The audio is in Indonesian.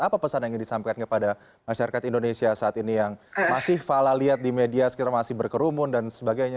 apa pesan yang ingin disampaikan kepada masyarakat indonesia saat ini yang masih fala lihat di media sekitar masih berkerumun dan sebagainya